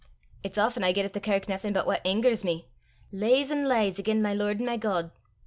"It's aften I get at the kirk naething but what angers me lees an' lees again' my Lord an' my God.